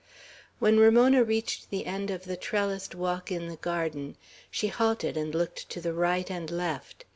When Ramona reached the end of the trellised walk in the garden, she halted and looked to the right and left.